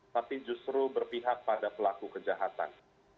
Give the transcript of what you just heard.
tapi justru berpihak pada pelaku kejahatan